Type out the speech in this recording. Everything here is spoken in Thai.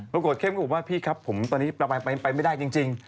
เข้มก็บอกว่าพี่ครับผมตอนนี้ไปไม่ได้จริง